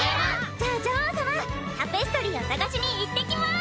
じゃあ女王様タペストリーを捜しにいってきます！